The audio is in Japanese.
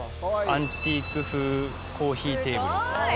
アンティーク風コーヒーテーブル。